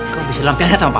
kamu bisa lampih aja sama papa